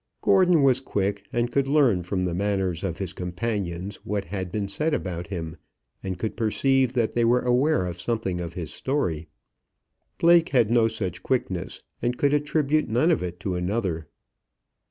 Gordon was quick, and could learn from the manners of his companions what had been said about him, and could perceive that they were aware of something of his story. Blake had no such quickness, and could attribute none of it to another.